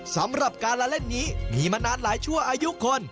สำหรับการละเล่นนี้มีมานานหลายชั่วอายุคน